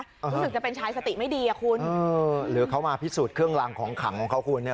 รู้สึกจะเป็นชายสติไม่ดีอ่ะคุณเออหรือเขามาพิสูจน์เครื่องรางของขังของเขาคุณเนี่ย